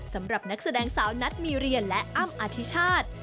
สำหรับนักแสดงสาวนัทมีเรียนและอ้ำอธิชาติ